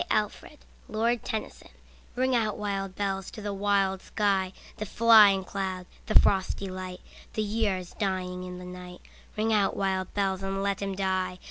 Alfred, Lord Tennyson Ring Out, Wild Bells RING out, wild bells, to the wild sky, The flying cloud, the frosty light; The year is dying in the night; Ring out, wild bells, and let him die.